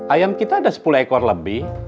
ayam kita ada sepuluh ekor lebih